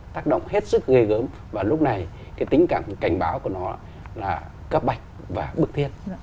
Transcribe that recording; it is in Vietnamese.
tác động hết sức ghê gớm và lúc này cái tính cảnh báo của nó là cấp bạch và bức thiết